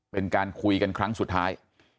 เป็นการคุยกันครั้งสุดท้าย